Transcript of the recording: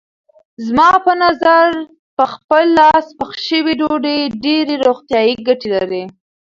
زما په نظر په خپل لاس پخه شوې ډوډۍ ډېرې روغتیايي ګټې لري.